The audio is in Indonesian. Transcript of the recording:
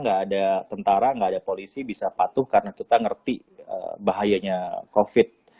nggak ada tentara nggak ada polisi bisa patuh karena kita ngerti bahayanya covid